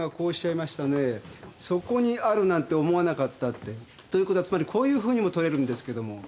「そこにあるなんて思わなかった」って。ということはつまりこういうふうにもとれるんですけども。